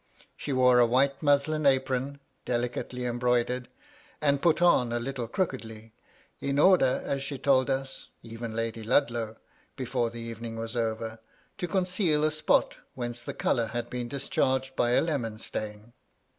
She wore a white muslin apron, delicately embroidered, and put on a little crookedly, in order, as she told us, even Lady Ludlow, before the evening was over, to conceal a spot whence the colour had been dis charged by a lemon stain.